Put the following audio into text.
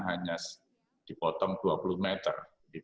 hanya dipotong dua puluh meter